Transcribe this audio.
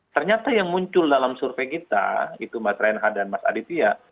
ternyata yang muncul dalam survei kita itu mas reinhardt dan mas aditya